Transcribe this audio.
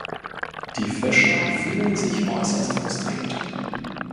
Die Fischer fühlen sich äußerst frustriert.